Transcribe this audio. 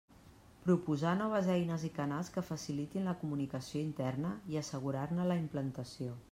Proposar noves eines i canals que facilitin la comunicació interna i assegurar-ne la implantació.